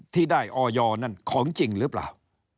ที่ได้ออยนั่นของจริงหรือเปล่า